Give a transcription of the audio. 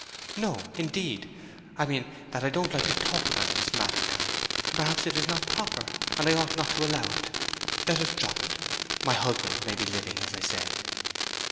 "No indeed! I mean, that I don't like to talk about this matter now. Perhaps it is not proper, and I ought not to allow it. Let us drop it. My husband may be living, as I said."